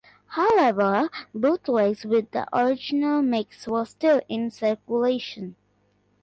However, bootlegs with the original mix were still in circulation.